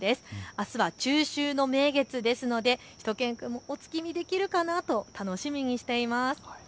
あすは中秋の名月ですのでしゅと犬くん、お月見できるかなと楽しみにしています。